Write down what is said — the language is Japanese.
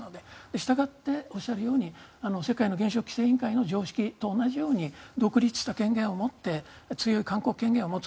したがって、おっしゃるように世界の原子力規制委員会の常識と同じように独立した権限を持って強い勧告権限を持つ。